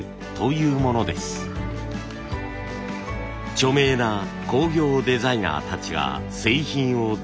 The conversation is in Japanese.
著名な工業デザイナーたちが製品をデザイン。